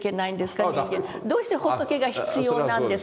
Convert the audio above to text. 人間どうして仏が必要なんですか？」